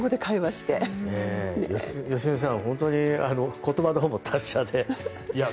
良純さん、本当に言葉のほうも達者で。